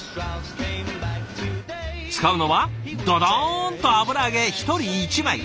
使うのはドドーンと油揚げ１人１枚。